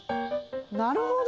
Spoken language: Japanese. なるほど。